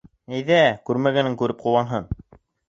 Әйҙә, күрмәгәнен күреп ҡыуанһын.